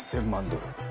１０００万ドル。